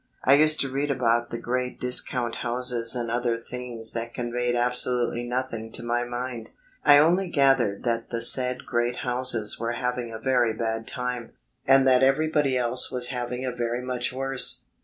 I used to read about the great discount houses and other things that conveyed absolutely nothing to my mind. I only gathered that the said great houses were having a very bad time, and that everybody else was having a very much worse.